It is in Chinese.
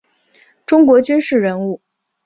中国军事人物。